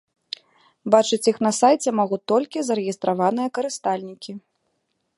Бачыць іх на сайце могуць толькі зарэгістраваныя карыстальнікі.